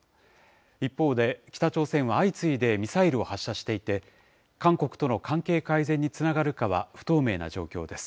一方で北朝鮮は相次いでミサイルを発射していて、韓国との関係改善につながるかは不透明な状況です。